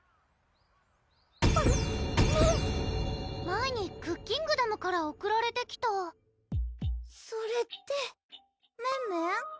⁉前にクッキングダムから送られてきたそれってメンメン？